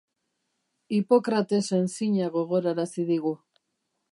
Hipokratesen zina gogorarazi digu.